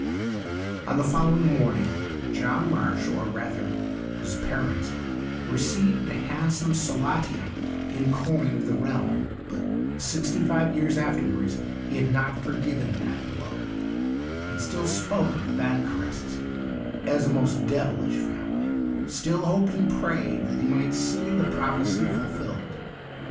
On the following morning John Marsh — or rather, his parents — received a handsome solatium in coin of the realm ; but sixty five years afterwards he had not forgiven that blow, and still spoke of the Vanquerests as a most devilish family, still hoped and prayed that he might see the prophecy fulfilled.